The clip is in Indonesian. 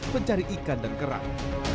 pencari ikan dan kerang